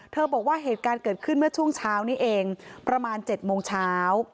บอกว่าเหตุการณ์เกิดขึ้นเมื่อช่วงเช้านี้เองประมาณ๗โมงเช้า